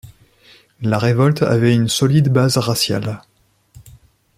La révolte avait une solide base raciale.